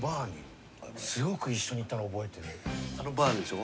あのバーでしょ？